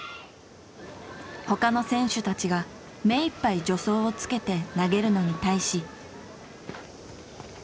ほかの選手たちが目いっぱい助走をつけて投げるのに対し。